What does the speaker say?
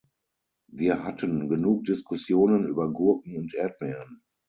Wir hatten genug Diskussionen über Gurken und Erdbeeren.